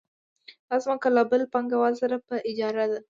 دا ځمکه له بل پانګوال سره په اجاره ده